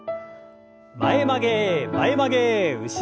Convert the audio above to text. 前曲げ前曲げ後ろ反り。